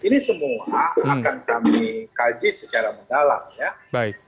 ini semua akan kami kaji secara mendalam ya